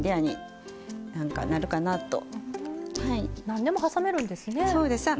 何でもはさめるんですね。